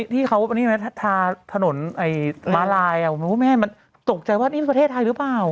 ที่เขาทาถนนมาลายมันตกใจว่านี่มันประเทศไทยหรือเปล่า